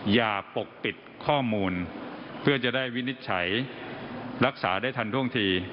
อย่าปกปิดข้อมูลเพื่อจะได้วินิจฉัยรักษาได้ทันท่วงที